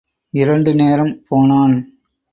இரண்டு நேரம் போனான்.